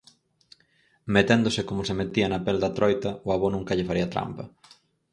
Meténdose como se metía na pel da troita, o avó nunca lle faría trampa.